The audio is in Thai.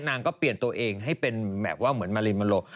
นางก็เปลี่ยนตัวเองจะเหมือนมารีนเมลโล